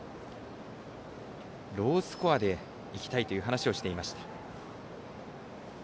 ロースコアでいきたいという話をしていました。